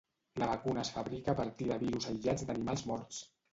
La vacuna es fabrica a partir de virus aïllats d'animals morts.